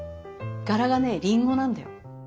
柄がねリンゴなんだよ。